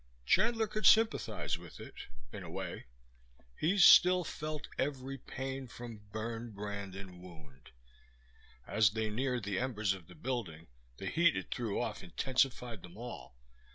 Chandler could sympathize with it, in a way. He still felt every pain from burn, brand and wound; as they neared the embers of the building the heat it threw off intensified them all.